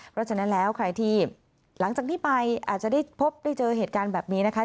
เพราะฉะนั้นแล้วใครที่หลังจากนี้ไปอาจจะได้พบได้เจอเหตุการณ์แบบนี้นะคะ